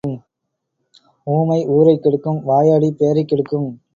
ஊமை ஊரைக்கெடுக்கும் வாயாடி பேரைக் கெடுக்கும்.